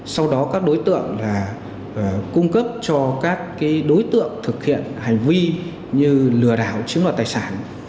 sau đó các đối tượng là cung cấp cho các đối tượng thực hiện hành vi như lừa đảo chính loại tài sản